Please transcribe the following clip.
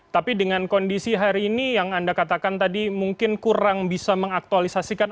tapi dengan kondisi hari ini yang anda katakan tadi mungkin kurang bisa mengaktualisasikan